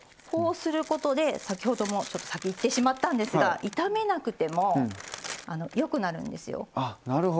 こうすることで先ほどもちょっと先に言ってしまったんですが炒めなくてもよくなるんですよ。